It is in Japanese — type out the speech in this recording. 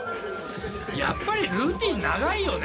やっぱりルーティーン長いよね